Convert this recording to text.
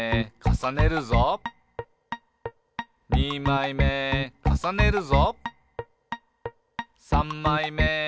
「さんまいめかさねたぞ！」